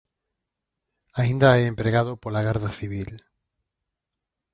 Aínda é empregado pola Garda civil.